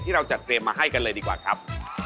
เราจัดเตรียมมาให้กันเลยดีกว่าครับ